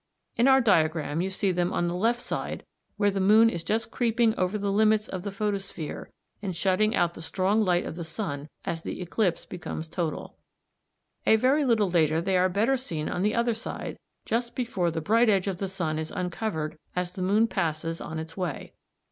In our diagram (Fig. 47) you see them on the left side where the moon is just creeping over the limits of the photosphere and shutting out the strong light of the sun as the eclipse becomes total. A very little later they are better seen on the other side just before the bright edge of the sun is uncovered as the moon passes on its way.